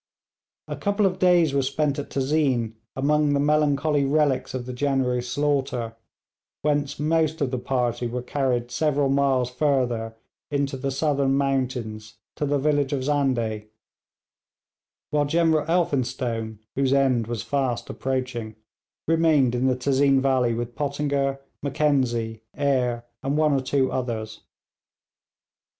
A couple of days were spent at Tezeen among the melancholy relics of the January slaughter, whence most of the party were carried several miles further into the southern mountains to the village of Zandeh, while General Elphinstone, whose end was fast approaching, remained in the Tezeen valley with Pottinger, Mackenzie, Eyre, and one or two others.